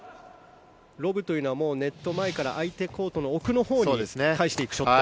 ロブというのはネット前から相手コートの奥のほうに返していくショット。